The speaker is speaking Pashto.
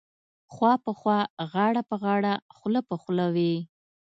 خوا په خوا غاړه په غاړه خوله په خوله وې.